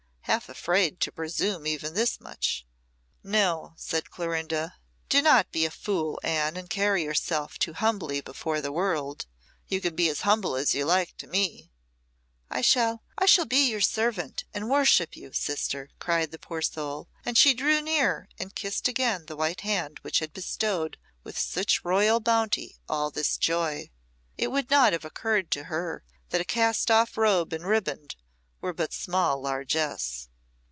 half afraid to presume even this much. "No," said Clorinda. "Do not be a fool, Anne, and carry yourself too humbly before the world. You can be as humble as you like to me." "I shall I shall be your servant and worship you, sister," cried the poor soul, and she drew near and kissed again the white hand which had bestowed with such royal bounty all this joy. It would not have occurred to her that a cast off robe and riband were but small largesse.